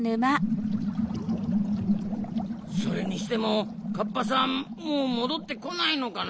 それにしてもカッパさんもうもどってこないのかな？